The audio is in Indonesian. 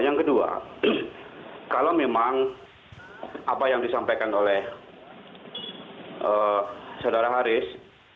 yang kedua kalau memang apa yang disampaikan oleh saudara haris